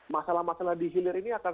masalah masalah di hilir ini akan